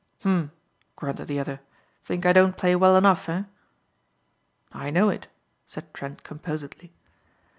"Huh!" grunted the other, "think I don't play well enough, eh?" "I know it," said Trent composedly.